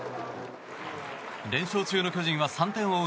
連勝中の巨人は３点を追う